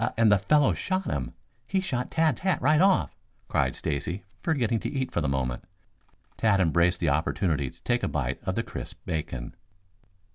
"A a a and the fellow shot him. He shot Tad's hat right off," cried Stacy, forgetting to eat for the moment. Tad embraced the opportunity to take a bite of the crisp bacon.